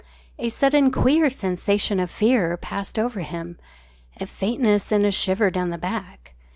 A sudden queer sensation of fear passed over him a faintness and a shiver down the back.